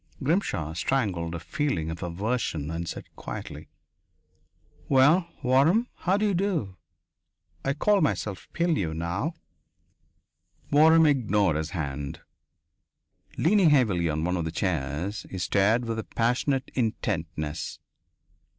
Grimshaw strangled a feeling of aversion and said quietly: "Well, Waram. How d'you do? I call myself Pilleux now." Waram ignored his hand. Leaning heavily on one of the chairs, he stared with a passionate intentness.